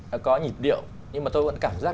nó có nhịp điệu nhưng mà tôi vẫn cảm giác